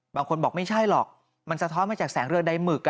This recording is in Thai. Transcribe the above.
บางคนบอกไม่ใช่หรอกมันสะท้อนมาจากแสงเรือใดหมึก